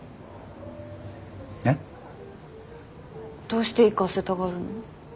どうして行かせたがるの？